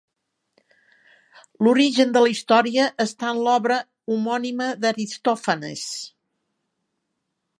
L'origen de la història està en l'obra homònima d'Aristòfanes.